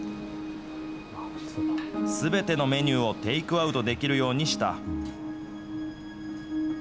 すべてのメニューをテイクアウトできるようにした。